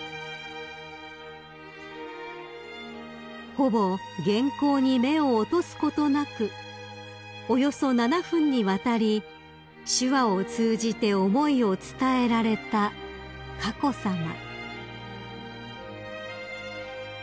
［ほぼ原稿に目を落とすことなくおよそ７分にわたり手話を通じて思いを伝えられた佳子さま］